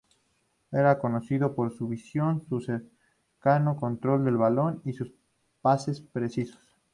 Era conocido por su visión, su cercano control del balón y sus pases precisos.